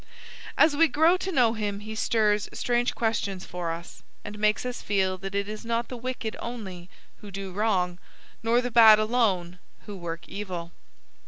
As we grow to know him he stirs strange questions for us, and makes us feel that it is not the wicked only who do wrong, nor the bad alone who work evil.